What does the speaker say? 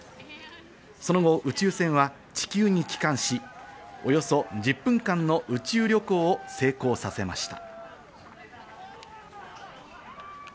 その後、宇宙船は地球に帰還し、およそ１０分間の宇宙旅行を成功させました。